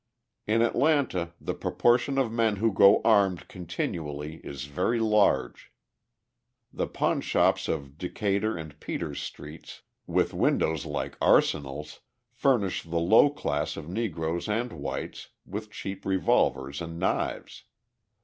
In Atlanta the proportion of men who go armed continually is very large; the pawnshops of Decatur and Peters Streets, with windows like arsenals, furnish the low class of Negroes and whites with cheap revolvers and knives.